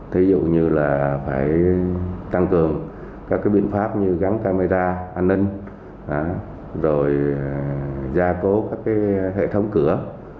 thí dụ như là phải tăng cường các biện pháp như gắn camera an ninh rồi gia cố các hệ thống cửa